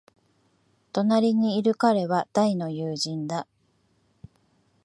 隣にいる彼は大の友人だ。